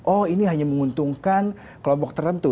oh ini hanya menguntungkan kelompok tertentu